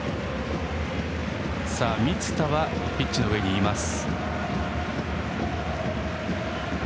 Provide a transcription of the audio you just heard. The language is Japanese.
満田はピッチの上にいます。